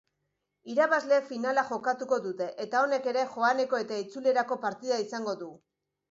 Irabazleek finala jokatuko dute eta honek ere joaneko eta itzulerako partida izango du.